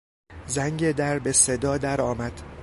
زنگ در به صدا درآمد.